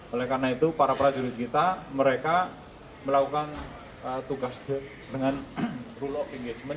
oleh karena itu para prajurit kita mereka melakukan tugas dengan rule of engagement